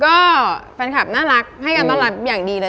ก็แฟนคลับน่ารักให้การต้อนรับอย่างดีเลย